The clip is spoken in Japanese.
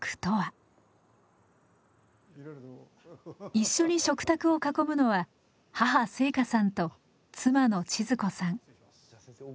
一緒に食卓を囲むのは母静香さんと妻の千鶴子さん。